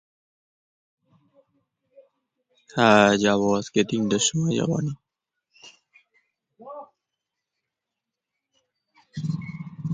They were born in Genoa, Italy.